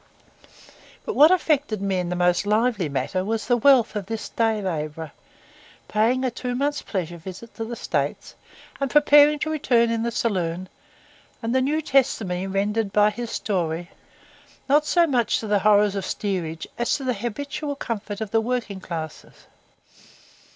But what affected me in the most lively manner was the wealth of this day labourer, paying a two months' pleasure visit to the States, and preparing to return in the saloon, and the new testimony rendered by his story, not so much to the horrors of the steerage as to the habitual comfort of the working classes.